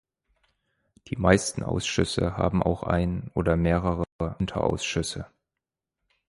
Die meisten Ausschüsse haben auch einen oder mehrere Unterausschüsse.